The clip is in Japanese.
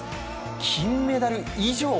金メダル以上。